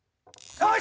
よし！